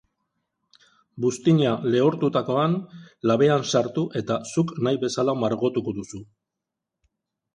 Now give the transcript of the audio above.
Buztina lehortutakoan, labean sartu eta zuk nahi bezala margotuko duzu.